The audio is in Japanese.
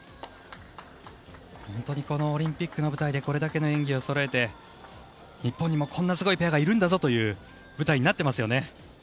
このオリンピックの舞台でこれだけの演技をそろえて日本にもこんなすごいペアがいるんだぞという舞台になっていますよね。